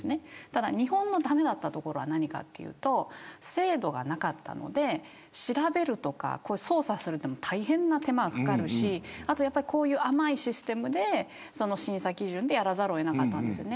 ただ、日本の駄目だったところは何かというと制度がなかったので調べるとか捜査するというのも大変な手間がかかるしこういう甘いシステムで審査基準でやらざるを得なかったんです。